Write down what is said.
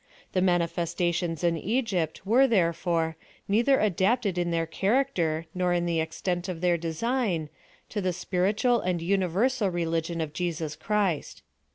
The manifestations in Egypt were, therefore, neither adapted in their character, nor in the extent of their design^ to the spiritual and uni versal religion of Jesus Christ.